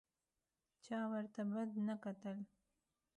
چا ورته بد نه کتل.